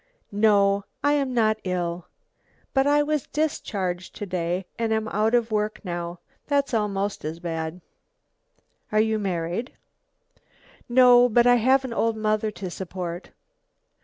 "No, I am not ill, but I was discharged to day and am out of work now that's almost as bad." "Are you married?" "No, but I have an old mother to support."